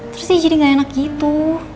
terus sih jadi gak enak gitu